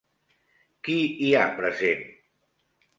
Qui hi ha present?